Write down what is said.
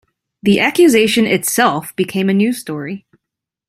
The accusation itself became a news story.